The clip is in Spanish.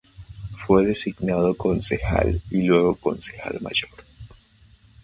Fue designado concejal y luego concejal mayor.